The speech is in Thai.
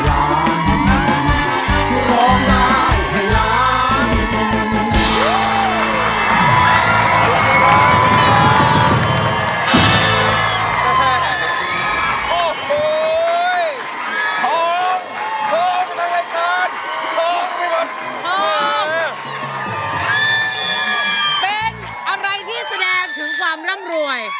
เป็นอะไรที่แสดงถึงความร่ำรวย